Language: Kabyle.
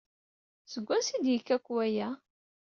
Seg wansi ay d-yekka akk waya?